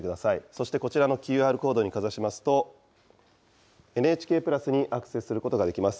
そしてこちらのＱＲコードにかざしますと、ＮＨＫプラスにアクセスすることができます。